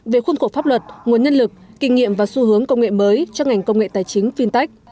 về khuôn khổ pháp luật nguồn nhân lực kinh nghiệm và xu hướng công nghệ mới cho ngành công nghệ tài chính fintech